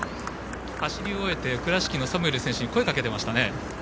走り終えて倉敷のサムエル選手に声をかけていましたね。